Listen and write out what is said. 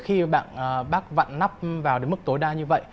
thì trên cái nắp sẽ có một bộ phần nắp vào đến mức tối đa như vậy